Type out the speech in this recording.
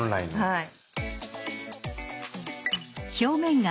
はい。